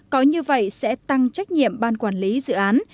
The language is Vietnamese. có như vậy sẽ tăng trách nhiệm ban quản lý dự án